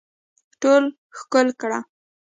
ټول ښکل کړه